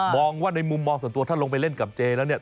มองว่าในมุมมองสันตัวถ้าลงไปเล่นกับเจ๋แล้ว